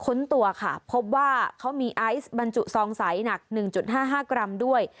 ค้นตัวค่ะพบว่าเขามีไอซ์บรรจุซองใสหนัก๑๕๕กรัมด้วย